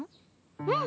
うん。